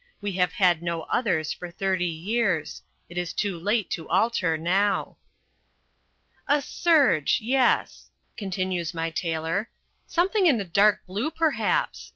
We have had no others for thirty years. It is too late to alter now. "A serge, yes," continues my tailor, "something in a dark blue, perhaps."